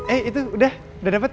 eh itu udah udah dapat